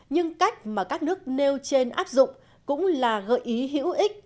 nhưng cách mà các nước nêu trên áp dụng cũng là gợi ý hữu ích